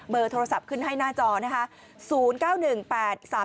โทรศัพท์ขึ้นให้หน้าจอนะคะ